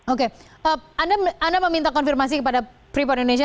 oke anda meminta konfirmasi kepada freeport indonesia